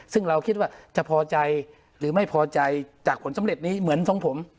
ซึ่งเราคิดว่าจะพอใจหรือไม่พอใจจากผลสำเร็จนี้เหมือนทรงผม